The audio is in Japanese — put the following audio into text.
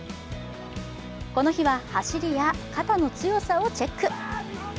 この日は走りや肩の強さをチェック。